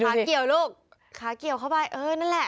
ขาเกี่ยวลูกขาเกี่ยวเข้าไปเออนั่นแหละ